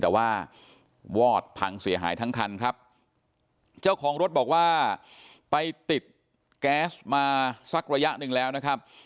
แต่ว่าวอดพังเสียหายทั้งคันครับเจ้าของรถบอกว่าไปติดแก๊สมาสักระยะหนึ่งแล้วนะครับ